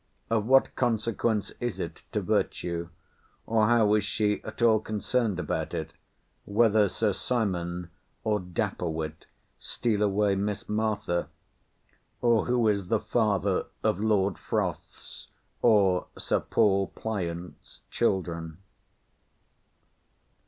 Of what consequence is it to virtue, or how is she at all concerned about it, whether Sir Simon, or Dapperwit, steal away Miss Martha; or who is the father of Lord Froth's, or Sir Paul Pliant's children.